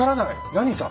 何さ？